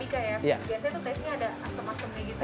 biasanya tuh tesnya ada semacamnya gitu ya